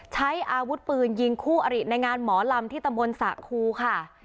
ใช้อาวุธปืนยิงคู่อริในงานหมอลำที่ตำบลสระครูค่ะ